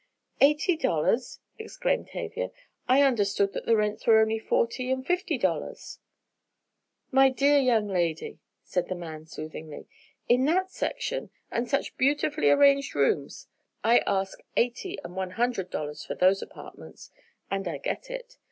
"Eighty dollars!" exclaimed Tavia, "I understood that the rents were only forty and fifty dollars!" "My dear young lady," said the man soothingly, "in that section! And such beautifully arranged rooms! I ask eighty and one hundred dollars for those apartments, and I get it.